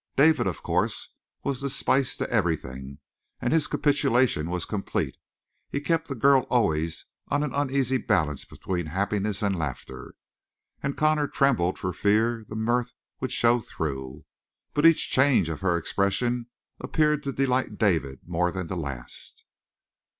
David, of course, was the spice to everything, and his capitulation was complete; he kept the girl always on an uneasy balance between happiness and laughter. And Connor trembled for fear the mirth would show through. But each change of her expression appeared to delight David more than the last.